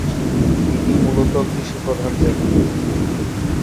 এটি মূলত কৃষি প্রধান জেলা।